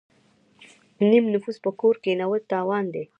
نیم نفوس په کور کینول تاوان دی.